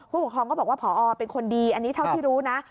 ผู้ปกครองก็บอกว่าผอเป็นคนดีอันนี้เท่าที่รู้นะ